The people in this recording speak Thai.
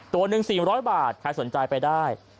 ตัวหนึ่ง๔๐๐บาทใครสนใจไปได้